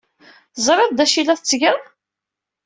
Teẓriḍ d acu ay la tettgeḍ?